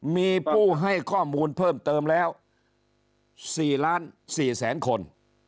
มีผู้ให้ข้อมูลเพิ่มเติมแล้วสี่ล้านสี่แสนคน